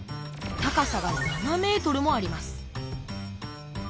高さが７ｍもあります